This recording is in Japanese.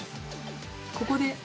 ここで。